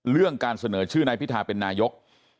เรื่องการเสนอชื่อนายพิธาเป็นนายก